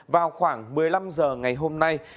vào khoảng một mươi năm giờ ngày hôm nay